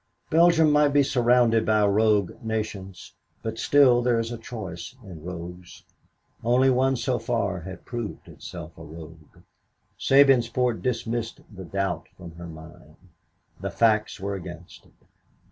Belgium might be surrounded by rogue nations, but still there is a choice in rogues. Only one so far had proved itself a rogue. Sabinsport dismissed the doubt from her mind. The facts were against it.